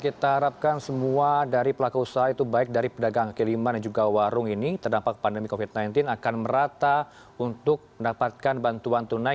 kita harapkan semua dari pelaku usaha itu baik dari pedagang kelima dan juga warung ini terdampak pandemi covid sembilan belas akan merata untuk mendapatkan bantuan tunai